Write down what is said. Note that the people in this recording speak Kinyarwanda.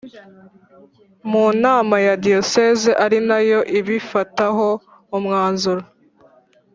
Mu nama ya diyosezi ari nayo ibifataho umwanzuro